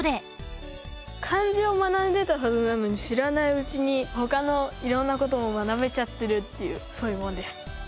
漢字を学んでたはずなのに知らないうちに他の色んな事も学べちゃってるっていうそういうものです。